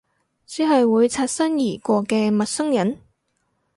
只係會擦身而過嘅陌生人？